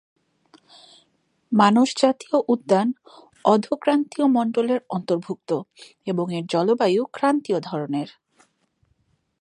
মানস জাতীয় উদ্যান অধোক্রান্তীয় মণ্ডলের অন্তর্ভুক্ত এবং এর জলবায়ু ক্রান্তীয় ধরনের।